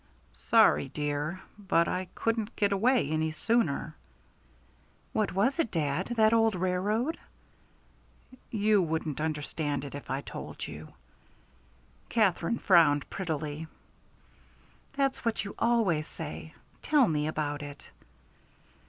"Sorry, dear, but I couldn't get away any sooner." "What was it, dad? That old railroad?" "You wouldn't understand it if I told you." Katherine frowned prettily. "That's what you always say. Tell me about it."